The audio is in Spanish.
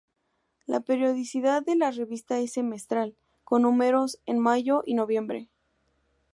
La periodicidad de la revista es semestral, con números en mayo y noviembre.